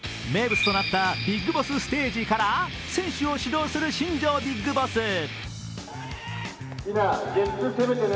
名物となったビッグボスステージから選手を指導する新庄ビッグボス。